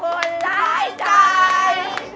ขอบคุณร้ายใจ